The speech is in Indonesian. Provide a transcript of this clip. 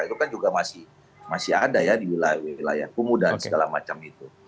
itu kan juga masih ada ya di wilayah kumuh dan segala macam itu